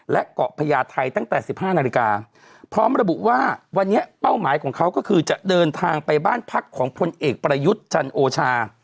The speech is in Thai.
และเกาะพญาไทยตั้งแต่๑๕นาฬิกาพร้อมระบุว่าวันนี้เป้าหมายของเขาก็คือจะเดินทางไปบ้านพักของพลเอกประยุทธ์จันโอชา